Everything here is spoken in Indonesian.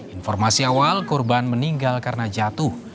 informasi awal korban meninggal karena jatuh